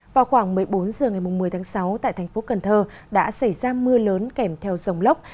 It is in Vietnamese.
vào khoảng một mươi bốn h ngày một mươi tháng sáu tại thành phố cần thơ đã xảy ra mưa lớn kèm theo dòng lốc